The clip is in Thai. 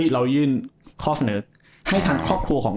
เรายื่นข้อเสนอให้ทางครอบครัวของ